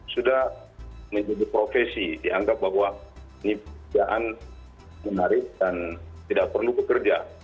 sudah menjadi profesi dianggap bahwa ini pekerjaan menarik dan tidak perlu bekerja